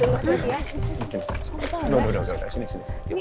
kamu pasang merah merah michi